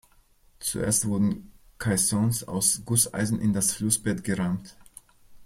Zuerst wurden Caissons aus Gusseisen in das Flussbett gerammt.